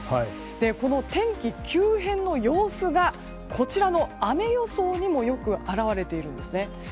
この天気急変の様子がこちらの雨予想にもよく表れているんですね。